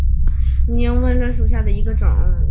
安宁薹草为莎草科薹草属下的一个种。